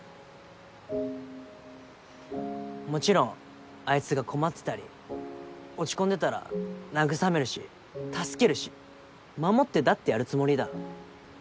もちろんあいつが困ってたり落ち込んでたら慰めるし助けるし守ってだってやるつもりだ。